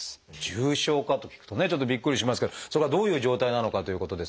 重症化と聞くとねちょっとびっくりしますけどそれがどういう状態なのかということですが。